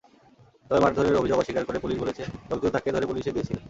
তবে মারধরের অভিযোগ অস্বীকার করে পুলিশ বলেছে, লোকজন তাঁকে ধরে পুলিশে দিয়েছিল।